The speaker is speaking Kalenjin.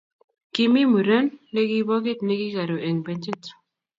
Kimi muren negibogit negikaruu eng benchit